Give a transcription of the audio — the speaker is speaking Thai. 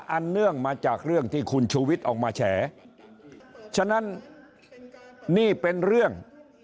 เนื่องมาจากเรื่องที่คุณชูวิทย์ออกมาแฉฉะนั้นนี่เป็นเรื่อง